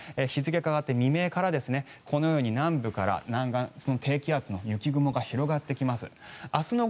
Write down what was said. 日付が変わって未明からこのように南部から南岸低気圧の雪雲が広がってきます。